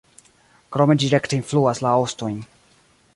Krome ĝi rekte influas la ostojn.